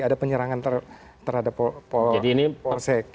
ada penyerangan terhadap polsek